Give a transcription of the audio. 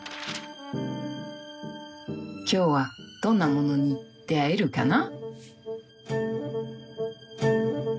今日はどんなものに出会えるかな。